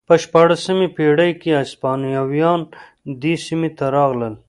په شپاړسمې پېړۍ کې هسپانویان دې سیمې ته ورغلل.